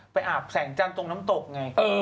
อาบแสงจันทร์ตรงน้ำตกไง